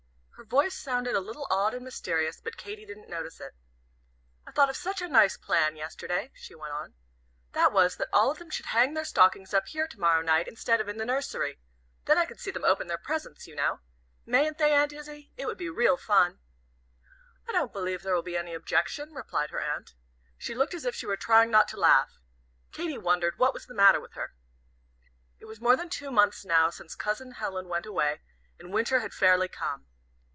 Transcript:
Her voice sounded a little odd and mysterious, but Katy didn't notice it. "I thought of such a nice plan yesterday," she went on. "That was that all of them should hang their stockings up here to morrow night instead of in the nursery. Then I could see them open their presents, you know. Mayn't they, Aunt Izzie? It would be real fun." "I don't believe there will be any objection," replied her aunt. She looked as if she were trying not to laugh. Katy wondered what was the matter with her. It was more than two months now since Cousin Helen went away, and Winter had fairly come.